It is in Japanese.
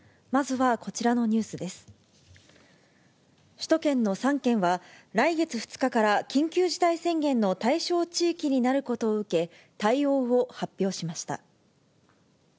首都圏の３県は、来月２日から緊急事態宣言の対象地域になることを受け、対応を発表しました。